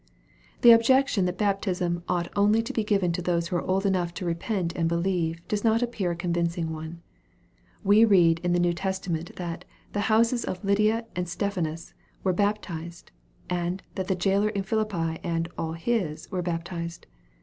The objection that baptism ought only to be given to those who are old enough to repent and believe, does not appear a convincing one. We read in the New Testa ment that the " houses" of Lydia and Stephanus were baptized, and that the jailer of Philippi and " all his" were baptized.